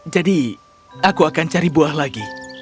jadi aku akan cari buah lagi